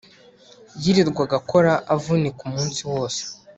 yirirwaga akora avunika umunsi wose,